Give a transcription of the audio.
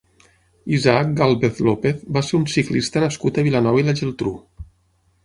Isaac Gàlvez López va ser un ciclista nascut a Vilanova i la Geltrú.